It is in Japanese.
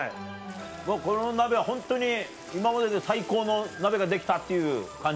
もうこの鍋はホントに今までで最高の鍋ができたっていう感じ？